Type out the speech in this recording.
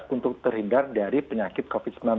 untuk terhindar dari penyakit covid sembilan belas